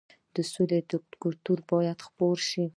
د سولې کلتور باید خپور شي.